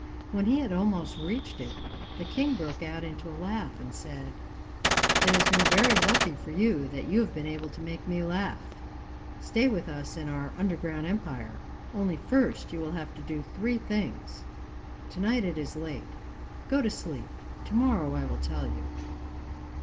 When he had almost reached it, the king broke out into a laugh and said: 'It has been very lucky for you that you have been able to make me laugh. Stay with us in our underground empire, only first you will have to do three things. To night it is late. Go to sleep; to morrow I will tell you.